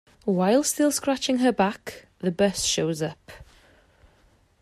While still scratching her back, the bus shows up.